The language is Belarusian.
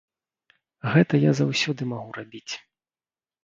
Гэта я заўсёды магу рабіць.